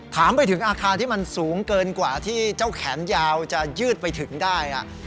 ถามไปถึงอาคารที่มันสูงเกินกว่าที่เจ้าแขนยาวจะยืดไปถึงได้